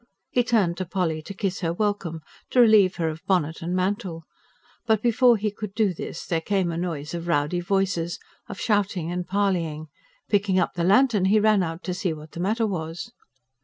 He turned to Polly to kiss her welcome, to relieve her of bonnet and mantle. But before he could do this there came a noise of rowdy voices, of shouting and parleying. Picking up the lantern, he ran out to see what the matter was.